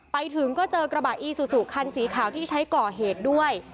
ไปถึงก็เจอกระบะอีซูซูคันสีขาวที่ใช้ก่อเหตุด้วย